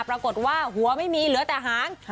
ปรากฏว่าหัวไม่มีเหลือแต่หาง